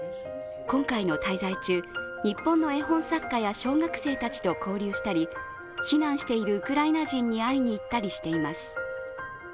今回の滞在中、日本の絵本作家や小学生たちと交流したり避難しているウクライナ人に会いに行ったりしています。